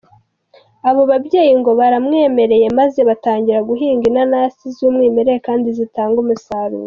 Abo babyeyi ngo baramwemereye maze batangira guhinga inanasi z’umwimerere kandi zitanga umusaruro.